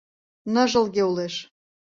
Ныжылге улеш.